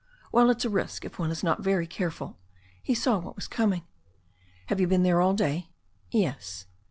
"Well, it's a risk if one is not very careful." He saw what was coming. "Have you been there all day?" "Yes."